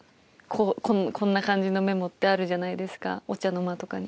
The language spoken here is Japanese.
こんな感じのメモってあるじゃないですかお茶の間とかに。